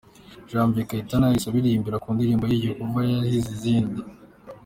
Janvier Kayitana yahise abaririmbira ku ndirimbo ye Jehova yahize izindi.